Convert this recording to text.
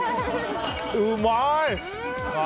うまい！